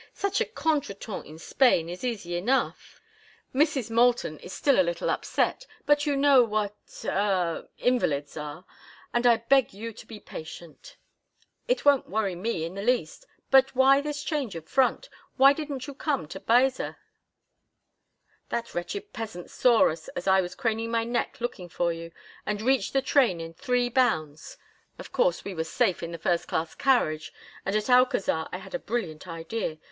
"Such a contretemps in Spain is easy enough. Mrs. Moulton is still a little upset, but you know what—er—invalids are, and I beg you to be patient—" "It won't worry me in the least. But why this change of front? Why didn't you come to Baeza?" "That wretched peasant saw us as I was craning my neck looking for you, and reached the train in three bounds. Of course, we were safe in the first class carriage, and at Alcazar I had a brilliant idea.